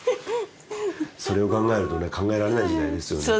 それを考えるとね考えられない時代ですよね